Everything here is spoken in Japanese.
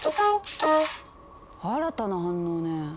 新たな反応ね。